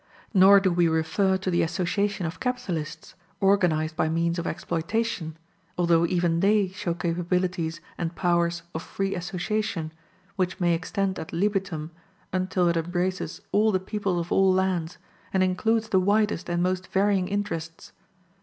Nor do we refer to the association of capitalists, organized by means of exploitation, although even they show capabilities and powers of free association, which may extend ad libitum until it embraces all the peoples of all lands, and includes the widest and most varying interests.